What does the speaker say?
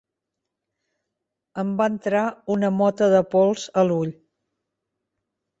Em va entrar una mota de pols a l'ull.